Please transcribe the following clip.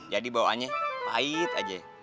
jadi bawaannya pahit aja